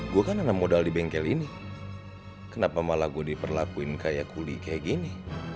gue kan dengan modal di bengkel ini kenapa malah gue diperlakuin kayak kuli kayak gini